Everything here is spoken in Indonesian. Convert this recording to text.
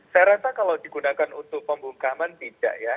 saya rasa kalau digunakan untuk pembungkaman tidak ya